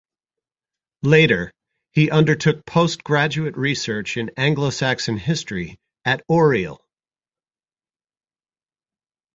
Later, he undertook post-graduate research in Anglo-Saxon history at Oriel.